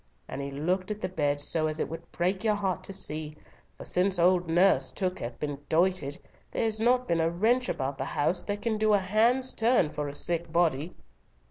And he looked at the bed so as it would break your heart to see, for since old Nurse Took hath been doited, there's not been a wench about the house that can do a hand's turn for a sick body."